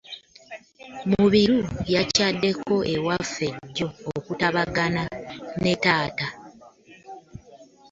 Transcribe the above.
Mubiru yakyaddeko ewaffe jjo okutabagana ne taata.